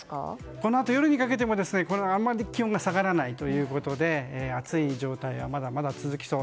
このあと夜にかけてもあまり気温が下がらないので暑い状態はまだまだ続きそう。